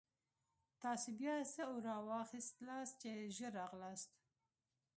تاسې بیا څه اورا واخیستلاست چې ژر راغلاست.